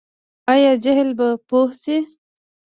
آیا جهل به پوهه شي؟